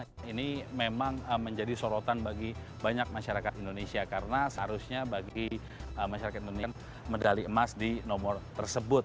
di nomor u empat puluh lima ini memang menjadi sorotan bagi banyak masyarakat indonesia karena seharusnya bagi masyarakat indonesia medali emas di nomor tersebut